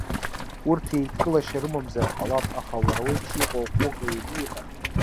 Урҭ еидкылашьа рымамзар ҟалап, аха уара уеиԥш иҟоу аҟәыӷа ианиҳәа.